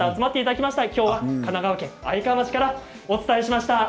きょうは神奈川県愛川町からお伝えしました。